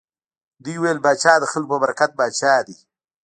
دوی ویل پاچا د خلکو په برکت پاچا دی.